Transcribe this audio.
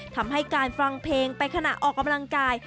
ทำให้การฟังเพลงไปขณะออกกำลังกาย